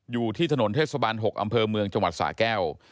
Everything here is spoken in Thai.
อยู่ที่ถนนเทศบาล๖อำเภอเมืองจังหวัดสาแก้ว